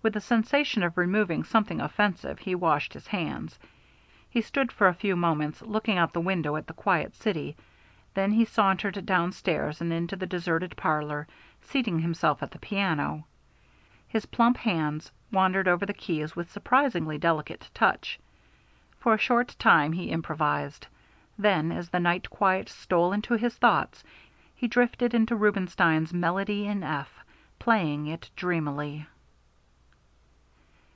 With the sensation of removing something offensive, he washed his hands. He stood for a few moments looking out the window at the quiet city, then he sauntered downstairs and into the deserted parlor, seating himself at the piano. His plump hands wandered over the keys with surprisingly delicate touch. For a short time he improvised. Then as the night quiet stole into his thoughts, he drifted into Rubinstein's Melody in F, playing it dreamily.